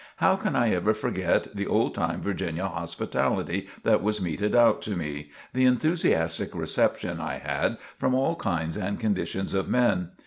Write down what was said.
How can I ever forget the old time Virginia hospitality that was meted out to me the enthusiastic reception I had from all kinds and conditions of men?